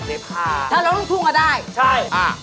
ถ้าเรารู้มันพูดกันก็ได้ใช่